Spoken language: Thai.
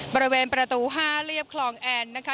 บริเวณประตู๕เรียบคลองแอนนะคะ